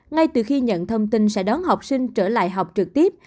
ngay từ khi nhận thông tin sẽ đón học sinh trở lại học trực tiếp